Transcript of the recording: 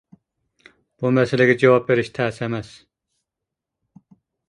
بۇ مەسىلىگە جاۋاب بېرىش تەس ئەمەس.